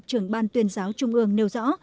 trưởng ban tuyên giáo trung ương nêu rõ